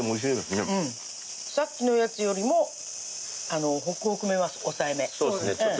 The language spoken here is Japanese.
さっきのやつよりもホクホクめは抑えめ。